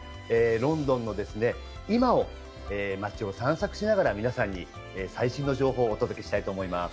ロンドンの今を街を散策しながら皆さんに最新の情報をお届けしたいと思います。